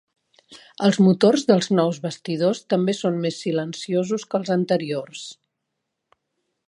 Els motors dels nous bastidors també són més silenciosos que els anteriors.